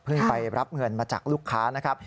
ไปรับเงินมาจากลูกค้านะครับ